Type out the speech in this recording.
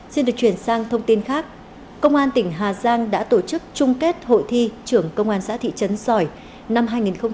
xin được chuyển sang thông tin khác công an tỉnh hà giang đã tổ chức chung kết hội thi trưởng công an xã thị trấn sỏi năm hai nghìn hai mươi ba